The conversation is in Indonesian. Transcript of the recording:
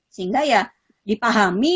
sehingga ya dipahami